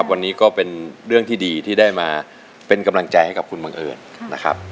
วันนี้ก็เป็นเรื่องที่ดีที่ได้มาเป็นกำลังใจให้กับคุณบังเอิญนะครับ